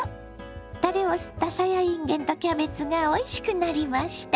たれを吸ったさやいんげんとキャベツがおいしくなりました。